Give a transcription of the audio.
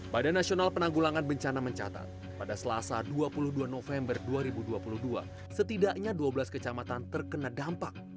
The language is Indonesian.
badan nasional penanggulangan bencana mencatat pada selasa dua puluh dua november dua ribu dua puluh dua setidaknya dua belas kecamatan terkena dampak